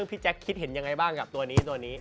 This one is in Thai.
พี่แจ็คคิดเห็นยังไงบ้างกับตัวนี้